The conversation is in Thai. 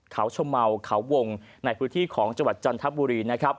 เขาชมัวเขาวงในพื้นที่ของจังหวัดจันทร์ทัพบุรี